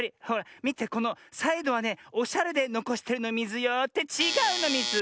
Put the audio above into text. みてこのサイドはねおしゃれでのこしてるのミズよ。ってちがうのミズ！